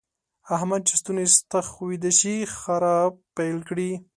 احمد چې ستونی ستخ ويده شي؛ خرا پيل کړي.